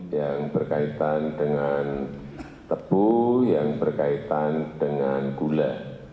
yang berkaitan dengan tebu yang berkaitan dengan gula